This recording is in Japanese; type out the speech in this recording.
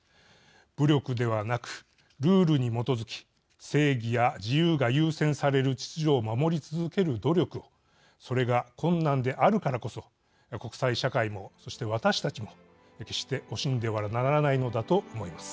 武力ではなく、ルールに基づき正義や自由が優先される秩序を守り続ける努力をそれが困難であるからこそ国際社会も、そして私たちも決して惜しんではならないのだと思います。